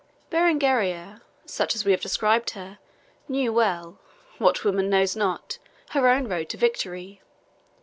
Berengaria, such as we have described her, knew well what woman knows not? her own road to victory.